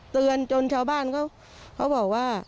เตือนจนชาวบ้านเขาบอกว่า